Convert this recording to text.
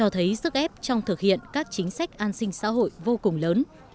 trong thực hiện các chính sách an sinh xã hội vô cùng lớn